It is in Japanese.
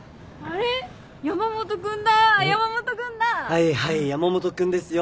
はいはい山本君ですよ。